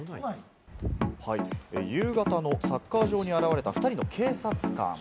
夕方のサッカー場に現れた２人の警察官。